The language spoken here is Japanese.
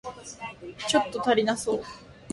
ちょっと足りなそう